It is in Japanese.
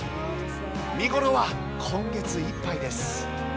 見頃は今月いっぱいです。